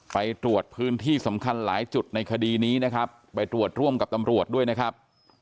ไปตรวจพื้นที่สำคัญหลายจุดในคดีนี้นะครับไปตรวจร่วมกับตำรวจด้วยนะครับ